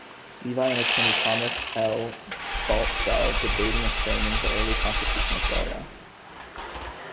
Levy and Attorney Thomas L. Baltzell debating and framing the early constitution of Florida.